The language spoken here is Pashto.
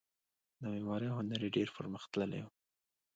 د معمارۍ هنر یې ډیر پرمختللی و